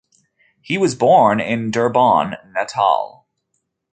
He was born in Durban, Natal.